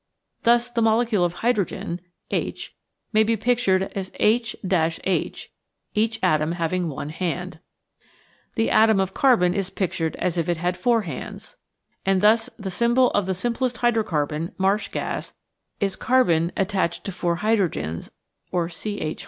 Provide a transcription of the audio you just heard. Thus the molecule of hydrogen (H.) may be pictured as H H, each atom having one hand. The atom of carbon is pictured as if it had four hands C , and thus the symbol of the H I simplest hydrocarbon (marsh gas) is H C H, or CHi.